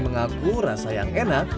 mengaku rasa yang enak